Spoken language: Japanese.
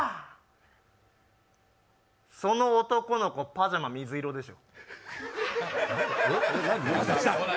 その男の子、パジャマ、水色です。